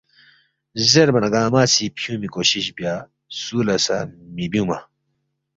زیربا نہ گنگمہ سی فیُونگمی کوشش بیا، سُو لہ سہ مِہ بیُونگما